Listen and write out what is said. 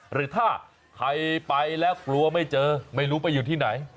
หรือถ้าใครไปแล้วกลัวไม่เจอไม่รู้ไปอยู่ที่ไหน